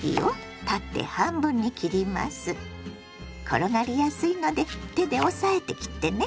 転がりやすいので手で押さえて切ってね。